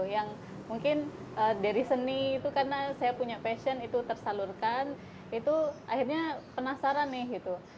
yang mungkin dari seni itu karena saya punya passion itu tersalurkan itu akhirnya penasaran nih gitu